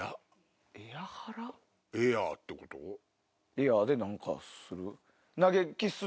エアで何かする？